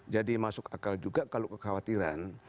jadi masuk akal juga kalau kekhawatiran